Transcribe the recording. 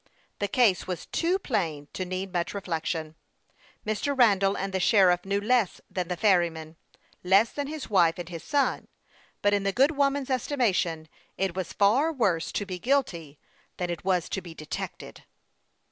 The case was too plain to need much reflection. Mr. Randall and the sheriff knew less than the ferryman, less than his wife and his son ; but in the good wo man's estimation, it was far worse to be guilty than it was to be detected.